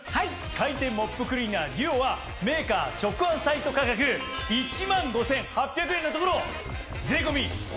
回転モップクリーナーＤＵＯはメーカー直販サイト価格１万５８００円のところを。